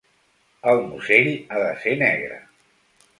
El musell ha de ser negre.